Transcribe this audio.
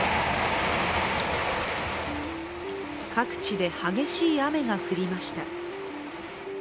各地で激しい雨が降りました。